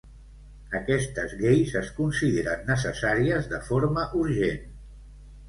Aquestes lleis es consideren necessàries de forma urgent.